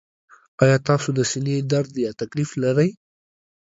ایا تاسو د سینې درد یا تکلیف لرئ؟